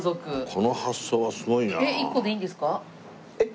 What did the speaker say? この発想はすごいなあ。